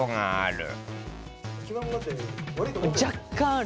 若干ある。